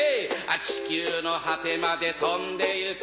地球の果てまで飛んでいく